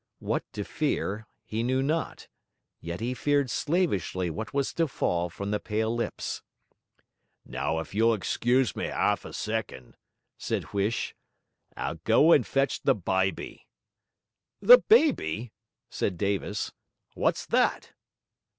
What to fear, he knew not; yet he feared slavishly what was to fall from the pale lips. 'Now, if you'll excuse me 'alf a second,' said Huish, 'I'll go and fetch the byby.' 'The baby?' said Davis. 'What's that?'